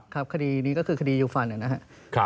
คดีนี้ก็คือคดียูฟันนะครับ